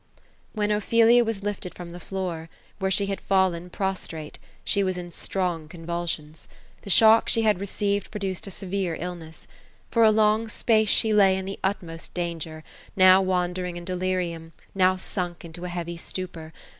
When Ophelia was lifted from the floor, where she had fallen pros trate, she was in strong convulsions. The shook she had received, pro duced a severe illness. For a long space she lay in the utmost danger, now wandering in delirium, now sunk into a heavy stupor.